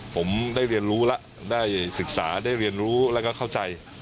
ผมได้เรียนรู้แล้วได้ศึกษาได้เรียนรู้แล้วก็เข้าใจ